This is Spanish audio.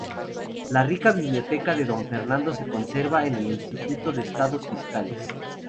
La rica biblioteca de don Fernando se conserva en el Instituto de Estudios Fiscales.